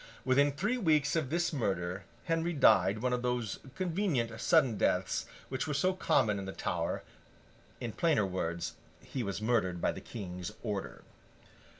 Within three weeks of this murder, Henry died one of those convenient sudden deaths which were so common in the Tower; in plainer words, he was murdered by the King's order.